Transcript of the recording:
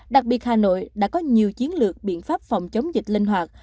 đặc biệt hà nội đã có nhiều chiến lược biện pháp phòng chống dịch linh hoạt